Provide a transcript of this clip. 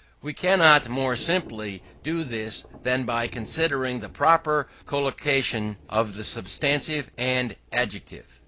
We cannot more simply do this than by considering the proper collocation of the substantive and adjective.